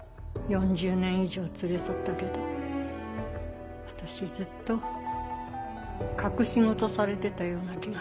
４０年以上連れ添ったけど私ずっと隠し事されてたような気がする。